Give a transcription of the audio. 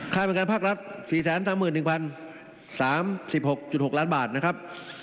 ค่าเป็นการพักรับ๔๓๑๐๓๖๖ล้านบาทนะครับ